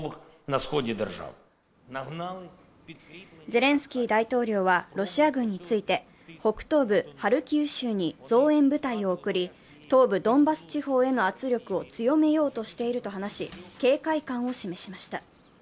ゼレンスキー大統領はロシア軍について、北東部ハルキウ州に増援部隊を送り東部ドンバス地方への圧力を強めようとしていると話し、警戒感を示しました。